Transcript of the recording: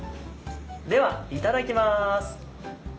ではいただきます。